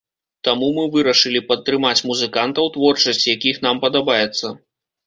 Таму мы вырашылі падтрымаць музыкантаў, творчасць якіх нам падабаецца.